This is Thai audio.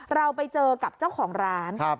เราไปเจอกับเจ้าของร้าน